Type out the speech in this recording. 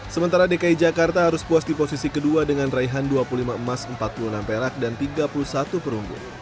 sementara dki jakarta harus puas di posisi kedua dengan raihan dua puluh lima emas empat puluh enam perak dan tiga puluh satu perunggu